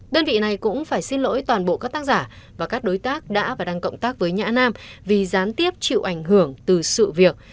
đơn vị này cũng phải xin lỗi toàn bộ các tác giả và các đối tác đã và đang cộng tác với nhã nam vì gián tiếp chịu ảnh hưởng từ sự việc